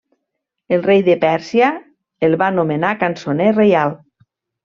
El rei de Pèrsia el va nomenar cançoner reial.